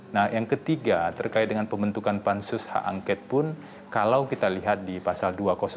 nah yang ketiga terkait dengan pembentukan pansus hak angket pun kalau kita lihat di pasal dua ratus satu